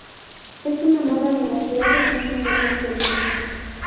Es una moda en las ciudades más modernas del mundo.